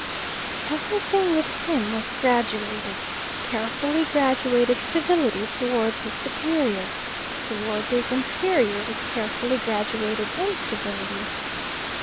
Everything with him was graduated carefully graduated civility towards his superior, towards his inferiors carefully graduated incivility.